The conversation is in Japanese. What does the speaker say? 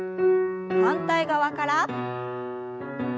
反対側から。